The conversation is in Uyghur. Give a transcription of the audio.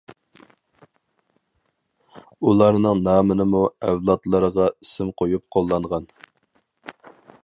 ئۇلارنىڭ نامىنىمۇ ئەۋلادلىرىغا ئىسىم قويۇپ قوللانغان.